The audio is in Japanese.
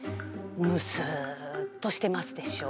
むすっとしてますでしょ。